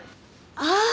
ああ！